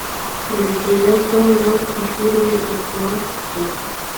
Bere teilatua lau isurietakoa da.